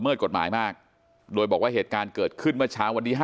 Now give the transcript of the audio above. กฎหมายมากโดยบอกว่าเหตุการณ์เกิดขึ้นเมื่อเช้าวันที่๕